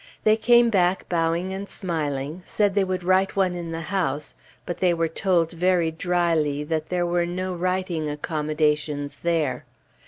They came back bowing and smiling, said they would write one in the house, but they were told very dryly that there were no writing accommodations there.